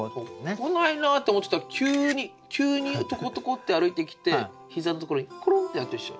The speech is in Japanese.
「来ないな」って思ってたら急にトコトコって歩いてきて膝のところにコロンってやってるでしょ。